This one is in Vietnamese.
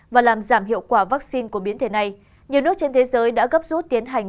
và làm giảm hiệu quả vaccine của biến thể này nhiều nước trên thế giới đã gấp rút tiến hành